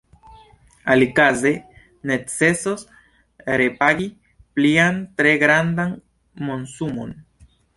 Alikaze necesos repagi plian, tre grandan monsumon.